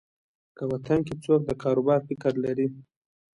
که وطن کې څوک د کاروبار فکر لري.